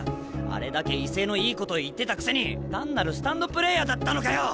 あれだけ威勢のいいこと言ってたくせに単なるスタンドプレーヤーだったのかよ！